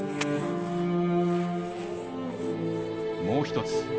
もう一つ。